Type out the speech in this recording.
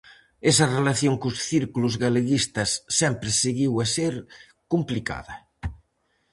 Esa relación cos círculos galeguistas sempre seguiu a ser complicada.